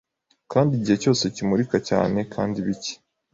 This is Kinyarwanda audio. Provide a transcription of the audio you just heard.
Kandi igihe cyose kimurika cyane kandi bike